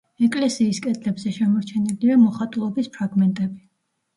ეკლესიის კედლებზე შემორჩენილია მოხატულობის ფრაგმენტები.